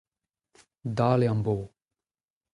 Dale am bo.